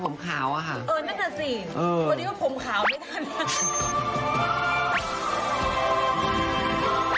เออนั่นแหละสิเพราะเดี๋ยวผมขาวไม่ทันอย่างนั้น